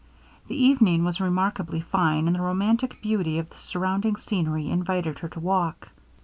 The evening was remarkably fine, and the romantic beauty of the surrounding scenery invited her to walk.